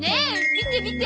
見て見て！